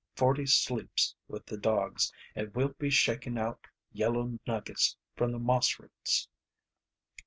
Forty sleeps with the dogs, and we'll be shaking out yellow nuggets from the moss roots.